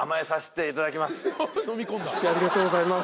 ありがとうございます。